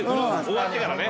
終わってからね。